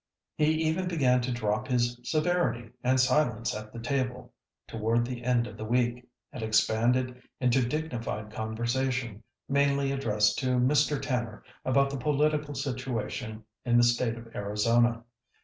He even began to drop his severity and silence at the table, toward the end of the week, and expanded into dignified conversation, mainly addressed to Mr. Tanner about the political situation in the State of Arizona.